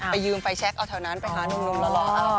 ไปยืมไฟแช็คเอาแถวนั้นไปหานุ่มแล้วลองเอา